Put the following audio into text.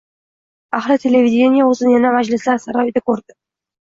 Ahli televideniye o‘zini yana majlislar saroyida ko‘rdi.